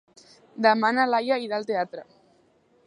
Demà na Laia irà al teatre.